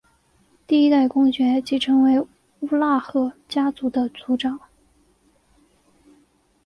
第一代公爵即成为乌拉赫家族的族长。